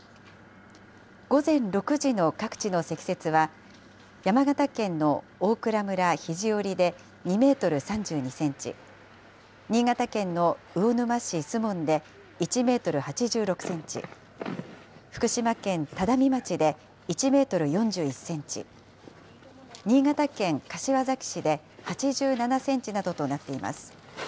午前６時の各地の積雪は、山形県の大蔵村肘折で２メートル３２センチ、新潟県の魚沼市守門で１メートル８６センチ、福島県只見町で１メートル４１センチ、新潟県柏崎市で８７センチなどとなっています。